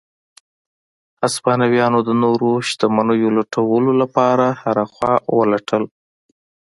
هسپانویانو د نورو شتمنیو لټولو لپاره هره خوا ولټل.